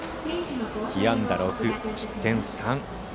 被安打６、失点３。